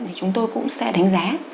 thì chúng tôi cũng sẽ đánh giá